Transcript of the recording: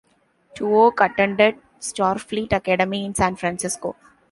Tuvok attended Starfleet Academy in San Francisco.